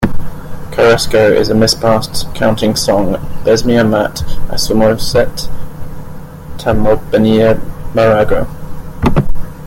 Cairasco is a misparsed counting song, "besmia mat acosomuset tamobenir marago".